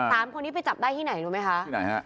สามคนนี้ไปจับได้ที่ไหนรู้ไหมคะที่ไหนฮะ